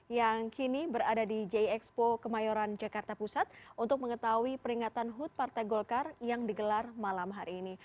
yang kini berada di jxpo kemayoran jakarta pusat untuk mengetahui peringatan hut partai golkar yang digelar malam hari ini